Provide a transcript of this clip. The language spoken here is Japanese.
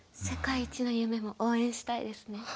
世界一の夢も応援したいですね。